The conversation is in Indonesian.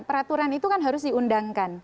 peraturan itu kan harus diundangkan